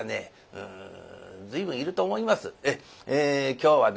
今日はね